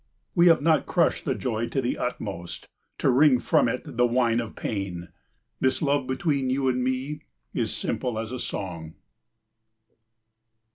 We have not crushed the joy to the utmost to wring from it the wine of pain. This love between you and me is simple as a song.